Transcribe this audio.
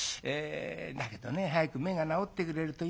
だけどね早く目が治ってくれるといいんだけども。